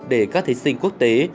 để các thí sinh quốc tế